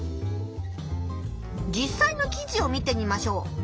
実さいの記事を見てみましょう。